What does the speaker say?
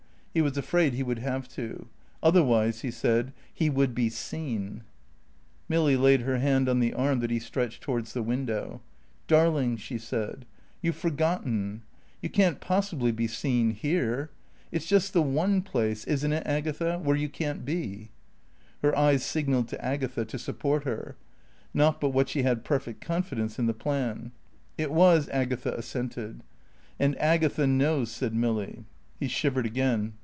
He was afraid he would have to. Otherwise, he said, he would be seen. Milly laid her hand on the arm that he stretched towards the window. "Darling," she said, "you've forgotten. You can't possibly be seen here. It's just the one place isn't it, Agatha? where you can't be." Her eyes signalled to Agatha to support her. (Not but what she had perfect confidence in the plan.) It was, Agatha assented. "And Agatha knows," said Milly. He shivered again.